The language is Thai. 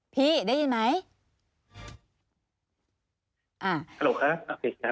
พี่ได้ยินไหม